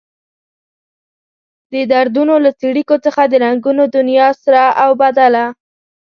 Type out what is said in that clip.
د دردونو له څړیکو څخه د رنګونو دنيا سره اوبدله.